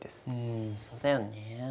うんそうだよね。